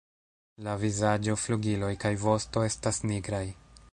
La vizaĝo, flugiloj kaj vosto estas nigraj.